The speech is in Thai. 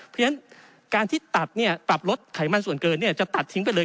เพราะฉะนั้นการที่ตัดปรับลดไขมันส่วนเกินจะตัดทิ้งไปเลย